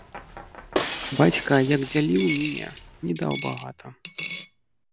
Бацька, як дзяліў міне, ні даў багата.